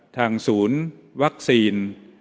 ทางศูนย์วัคซีน